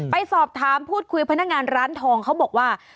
ไปสอบถามพูดคุยพนักงานร้านทองเขาบอกว่า